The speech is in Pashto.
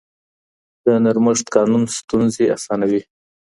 د نرمښت قانون ستونزې اسانوي.